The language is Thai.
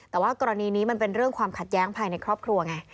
แต่ว่ากรณีนี้มันเป็นเรื่องความขัดแย้งภายในครอบครัวไง